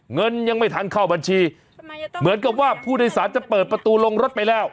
เงินยังไม่ทันเข้าบัญชีเหมือนกับว่าผู้โดยสารจะเปิดประตูลงรถไปแล้ว